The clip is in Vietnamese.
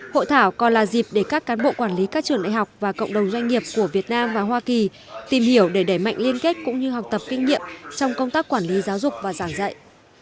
hội thảo còn là dịp để các cán bộ quản lý các trường đại học và cộng đồng doanh nghiệp của việt nam và hoa kỳ tìm hiểu để đẩy mạnh liên kết cũng như học tập kinh nghiệm trong công tác quản lý giáo dục và giảng dạy